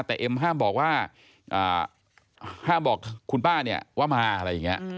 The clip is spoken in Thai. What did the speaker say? แต่เอ็มห้ามบอกว่าห้ามบอกคุณป้าเนี่ยว่ามาอะไรอย่างนี้